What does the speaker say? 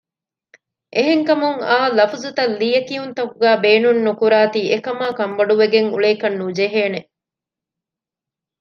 އެހެން ކަމުން އާ ލަފުޒުތައް ލިޔެކިޔުންތަކުގައި ބޭނުން ނުކުރާތީ އެކަމާ ކަންބޮޑުވެގެން އުޅޭކަށް ނުޖެހޭނެ